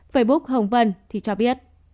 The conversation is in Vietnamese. facebook hồng vân thì cho biết